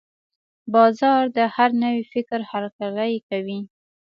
بازار د هر نوي فکر هرکلی کوي.